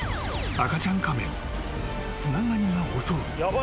［赤ちゃん亀をスナガニが襲う。